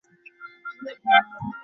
তুমি ঘুমাও, বেবি।